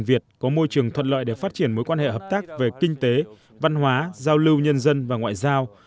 việt có môi trường thuận lợi để phát triển mối quan hệ hợp tác về kinh tế văn hóa giao lưu nhân dân và ngoại giao